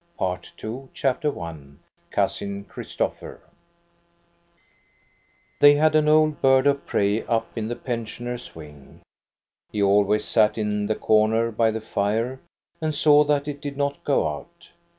PART II CHAPTER I COUSIN CHRISTOPHER They had an old bird of prey up in the pensioners' wing. He always sat in the corner by the fire and saw that it did not go out.